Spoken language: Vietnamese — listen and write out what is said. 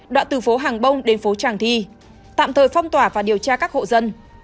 đoạn từ phố hàng bông đến phố tràng thi tạm thời phong tỏa và điều tra các hộ dân